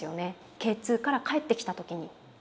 Ｋ２から帰ってきた時に。